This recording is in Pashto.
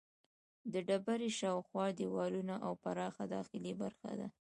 د ډبرې شاوخوا دیوالونه او پراخه داخلي برخه ده.